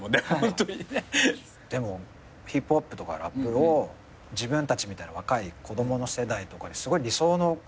でもヒップホップとかラップを自分たちみたいな若い子供の世代とかにすごい理想の形で。